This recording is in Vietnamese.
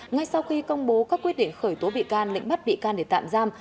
ngay sau khi công bố các quyết định khởi tố bị can lệnh bắt bị can để tạm giam